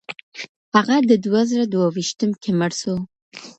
هغه د دوه زره دوه ویشتم کي مړ سو.